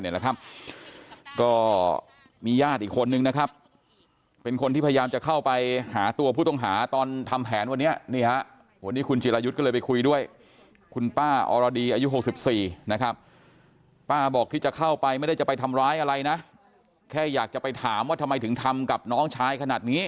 ลากเด็ก